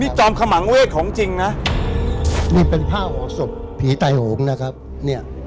มีจอมขมังเวทของจริงนะนี้เป็นผ้าขอสบผีไตโหงนะครับนะเนี่ย